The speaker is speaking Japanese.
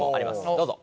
どうぞ。